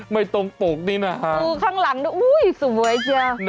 ไม่ตรงตกนี่นะครับคลังหลังดูโอ๊ยสวยเจ้า